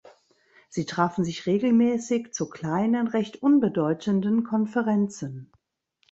Sie trafen sich regelmäßig zu kleinen recht unbedeutenden Konferenzen.